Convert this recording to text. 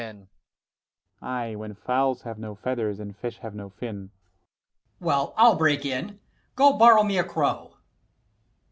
Ant. E. Well, I'll break in: go borrow me a crow.